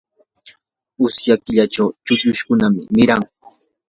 usya killachu chukllushkuna mirayan.